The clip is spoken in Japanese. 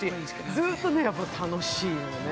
ずっと楽しいよね。